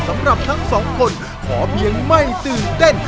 สำหรับทั้งสองคนขอเพียงไม่ตื่นเต้น